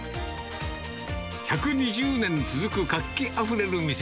１２０年続く活気あふれる店。